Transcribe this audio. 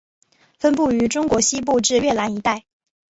分布于中国西部至越南一带。